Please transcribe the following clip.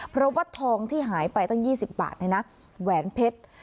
เพราะวัดทองที่หายไปตั้งยี่สิบบาทไอนะแหวนเพชร